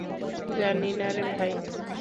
জানি না রে, ভাই!